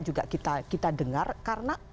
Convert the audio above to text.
juga kita dengar karena